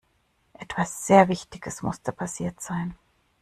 Etwas sehr Wichtiges musste passiert sein.